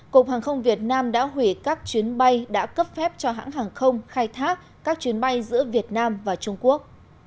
cục hàng không việt nam đã hủy các chuyến bay đã cấp phép cho hãng hàng không khai thác các chuyến bay giữa việt nam và trung quốc